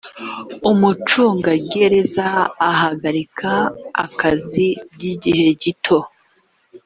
umucungagereza ahagarika akazi by igihe gito